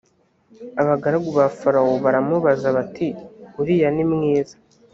abagaragu ba farawo baramubaza bati uriya nimwiza